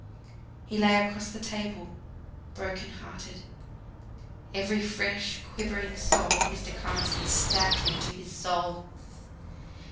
He lay across the table, broken hearted. Every fresh quivering sob of Mr. Carson's stabbed him to his soul.